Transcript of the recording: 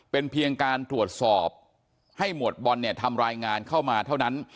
เป็นเพียงการตรวจสอบให้หมวดบอลเนี่ยทำรายงานเข้ามาเท่านั้น